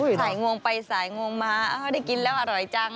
สายงงไปสายงงมาได้กินแล้วอร่อยจัง